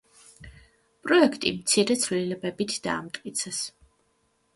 პროექტი მცირე ცვლილებებით დაამტკიცეს.